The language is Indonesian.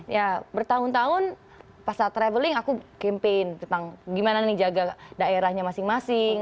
ya bertahun tahun pas saat traveling aku campaign tentang gimana nih jaga daerahnya masing masing